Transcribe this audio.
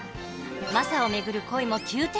マサを巡る恋も急展開。